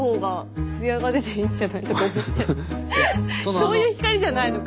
そういう光じゃないのか。